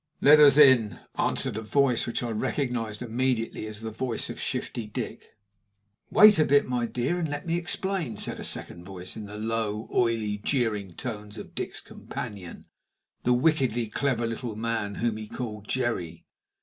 "Let us in," answered a voice, which I recognised immediately as the voice of Shifty Dick. "Wait a bit, my dear, and let me explain," said a second voice, in the low, oily, jeering tones of Dick's companion the wickedly clever little man whom he called Jerry.